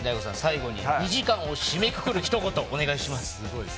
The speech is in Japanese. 最後に２時間を締めくくる一言お願いします。